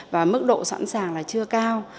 và mức độ sẵn sàng là chưa cao